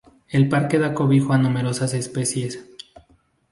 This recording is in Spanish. El parque da cobijo a numerosas especies.